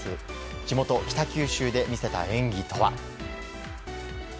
地元・北九州で見せた演技とは。